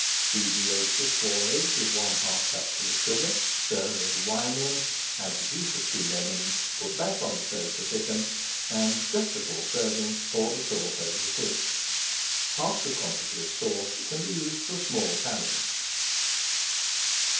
Beat the yolks of four eggs with one half cupful of sugar, stir a little wine in, add the juice of two lemons, put back on the stove to thicken, and just before [Page 471] serving, pour the sauce over the fish. Half the quantity of sauce can be used for a small family.